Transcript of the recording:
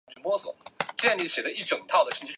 金沟线